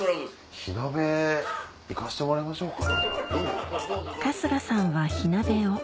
火鍋行かしてもらいましょうか。